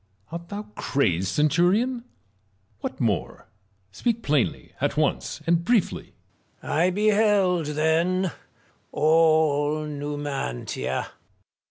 Art thou crazed, centurion 1 what more ? Speak plainly, at once, and briefly, Marius. I beheld, then, all Numantia.